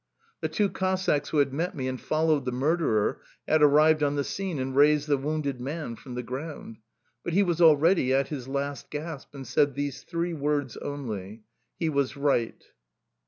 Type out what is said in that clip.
The two Cossacks who had met me and followed the murderer had arrived on the scene and raised the wounded man from the ground. But he was already at his last gasp and said these three words only "he was right!"